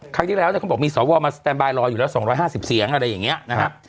ครั้งที่แล้วเนี่ยเขาบอกมีสวมาสแตนบายรออยู่แล้ว๒๕๐เสียงอะไรอย่างนี้นะครับ